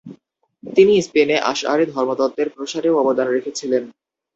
তিনি স্পেনে আশআরি ধর্মতত্ত্বের প্রসারেও অবদান রেখেছিলেন।